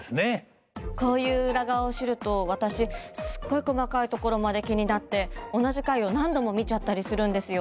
こういう裏側を知ると私すごい細かいところまで気になって同じ回を何度も見ちゃったりするんですよ。